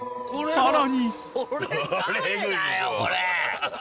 ［さらに］